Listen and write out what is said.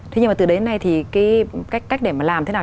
thế nhưng mà từ đến nay thì cái cách để mà làm thế nào